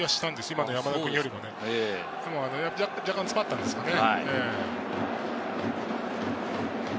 今の山田君よりも若干詰まったんですかね。